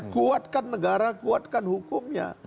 kuatkan negara kuatkan hukumnya